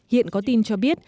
hiện có tin cho biết